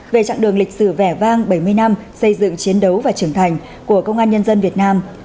về trạng đường lịch sử vẻ vang bảy mươi năm xây dựng chiến đấu và trưởng thành của công an nhân dân việt nam